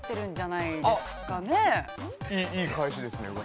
◆いい返しですね。